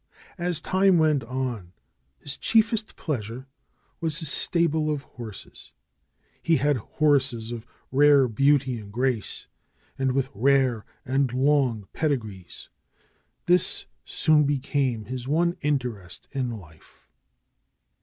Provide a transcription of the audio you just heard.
As time went on, his chiefest pleasure was his stable of horses. He had horses of rare beauty and grace, and with rare and long pedigrees. This soon became his one interest in life.